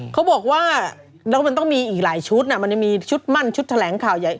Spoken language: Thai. เขาบอกว่าแล้วมันต้องมีอีกหลายชุดมันยังมีชุดมั่นชุดแถลงข่าวใหญ่